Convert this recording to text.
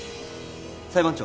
裁判長